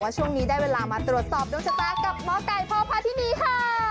ช่วงนี้ได้เวลามาตรวจสอบดวงชะตากับหมอไก่พ่อพาที่นี่ค่ะ